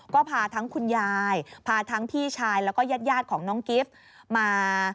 ก็พาทั้งคุณยายพาทั้งพี่ชายแล้วก็ญาติของน้องกิฟต์มา